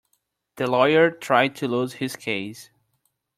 The lawyer tried to lose his case.